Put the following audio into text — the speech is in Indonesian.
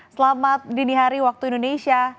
selamat dini hari waktu indonesia